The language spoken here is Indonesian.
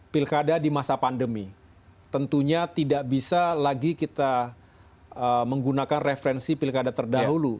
pilkada di masa pandemi tentunya tidak bisa lagi kita menggunakan referensi pilkada terdahulu